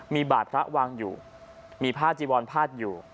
มีบาตรพระวังอยู่มีพระจีวรพระอยู่